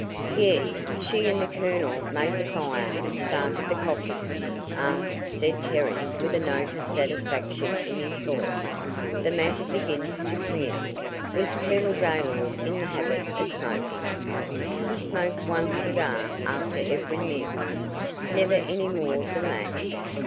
"Yes, she and the Colonel made the fire and started the coffee." "Ah!" said Terry with a note of satisfaction in his voice. "The matter begins to clear. Was Colonel Gaylord in the habit of smoking?" "He smoked one cigar after every meal." "Never any more than that?"